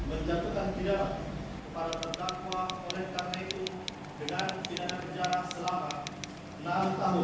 menjatuhkan pidat kepada penakwa oleh ktu